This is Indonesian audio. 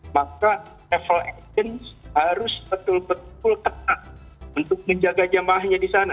maka travel agent harus betul betul ketat untuk menjaga jamaahnya di sana